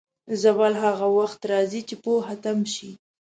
زوال هغه وخت راځي، چې پوهه تم شي.